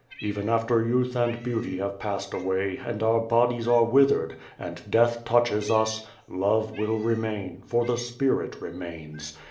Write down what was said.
Even after youth and beauty have passed away, and our bodies are withered, and death touches us, love will remain, for the spirit remains.